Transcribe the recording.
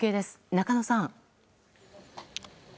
中野さん。